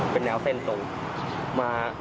เป็นแนวเส้นตรงมา